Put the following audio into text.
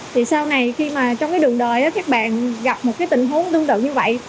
thì sau này khi mà trong cái đường đời đó các bạn gặp một cái tình huống tương tự như vậy